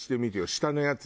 下のやつ。